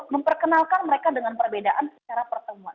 memperkenalkan mereka dengan perbedaan secara pertemuan